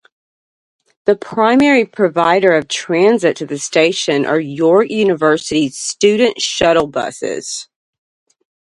The primary provider of transit to the station are York University's student shuttle buses.